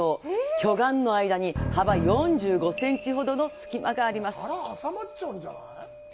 巨岩の間に幅４５センチほどの隙間があります。